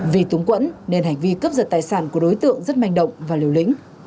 vì túng quẫn nên hành vi cướp giật tài sản của đối tượng rất manh động và liều lĩnh